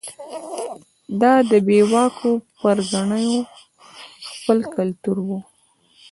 دا د بې واکو پرګنو خپل کلتور و.